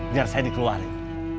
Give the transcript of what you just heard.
biar saya dikeluarin